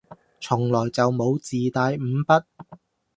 從來就冇自帶五筆